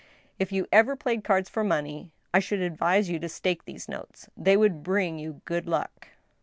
If you ever played cards for money, I should advise you to stake these notes ; they would bring you good luck."